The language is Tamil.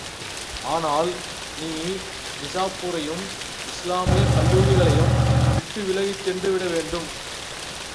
ஆனால், நீ நிசாப்பூரையும் இஸ்லாமியக் கல்லூரிகளையும் விட்டுவிலகிச் சென்று விடவேண்டும்.